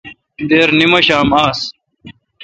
دیر نیمشام آس۔